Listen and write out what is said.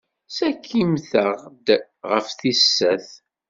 Ssakimt-aɣ-d ɣef tis sat.